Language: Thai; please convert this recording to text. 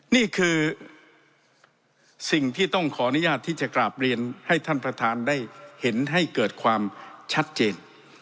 นี่คือสิ่งที่ต้องขออนุญาตที่จะกราบเรียนให้ท่านประธานได้เห็นให้เกิดความชัดเจน